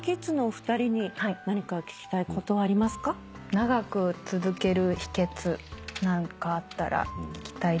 長く続ける秘訣なんかあったら聞きたいです。